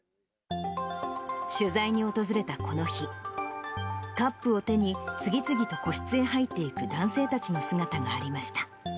取材に訪れたこの日、カップを手に、次々と個室へ入っていく男性たちの姿がありました。